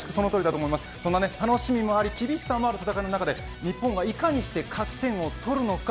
そんな楽しみもあり厳しさもある戦いの中で日本はいかに勝ち点をとるのか。